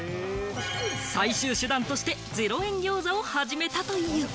最終手段として０円餃子を始めたという。